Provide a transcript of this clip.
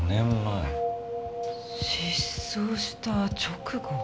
失踪した直後？